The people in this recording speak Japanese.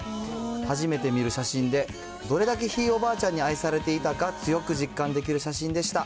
初めて見る写真で、どれだけひいおばあちゃんに愛されていたか強く実感できる写真でした。